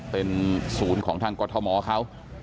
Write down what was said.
เป็นศูนย์ของทางกรทมเขา